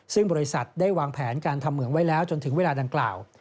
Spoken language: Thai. ซึ่งบริษัทได้วางแผนการทำเหมืองไว้แล้วจนถึงเวลาดังกล่าว